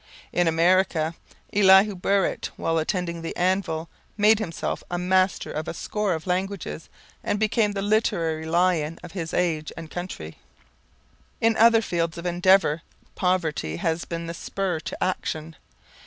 In America Elihu Burritt, while attending the anvil, made himself a master of a score of languages and became the literary lion of his age and country. In other fields of endeavor poverty has been the spur to action.